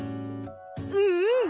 うんうん。